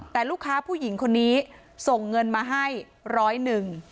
แต่ลูกค้าผู้หญิงคนนี้ส่งเงินมาให้ร้อยหนึ่ง